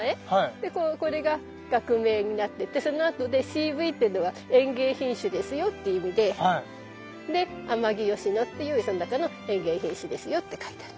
でこれが学名になっててそのあとで「ｃｖ」っていうのは園芸品種ですよっていう意味でで「Ａｍａｇｉｙｏｓｈｉｎｏ」っていうその中の園芸品種ですよって書いてある。